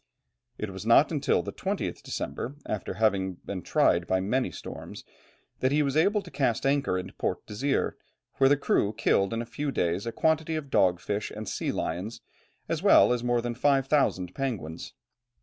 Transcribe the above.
It was not until the 20th December, after having been tried by many storms, that he was able to cast anchor in Port Desire, where the crew killed in a few days a quantity of dog fish and sea lions, as well as more than five thousand penguins.